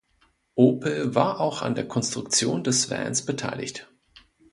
Opel war auch an der Konstruktion des Vans beteiligt.